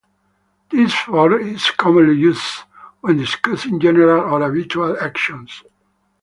This form is commonly used when discussing general or habitual actions.